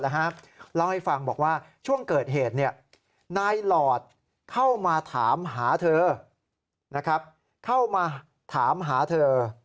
เราให้ฟังบอกว่าช่วงเกิดเหตุนายหลอดเข้ามาถามหาเธอ